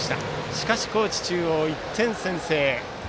しかし高知中央、１点先制。